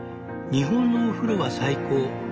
日本のお風呂は最高。